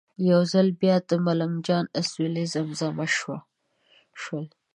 یو ځل بیا د ملنګ جان اسویلي زمزمه شول.